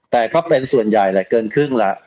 แต่ก็เป็นส่วนใหญ่แหละเกินครึ่งละ